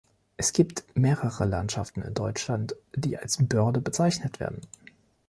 Es gibt mehrere Landschaften in Deutschland, die als "Börde" bezeichnet werden.